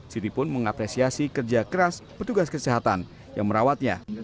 siti pun mengapresiasi kerja keras petugas kesehatan yang merawatnya